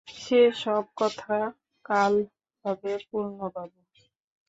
সে-সব কথা কাল হবে পূর্ণবাবু!